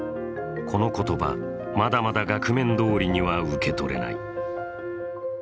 この言葉、まだまだ額面どおりには受け取れない。